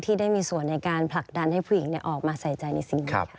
ที่ได้มีส่วนในการผลักดันให้ผู้หญิงออกมาใส่ใจในสิ่งนี้ค่ะ